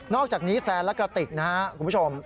อกจากนี้แซนและกระติกนะครับคุณผู้ชม